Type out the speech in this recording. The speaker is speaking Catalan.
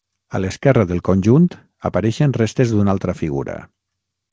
A l'esquerra del conjunt apareixen restes d'una altra figura.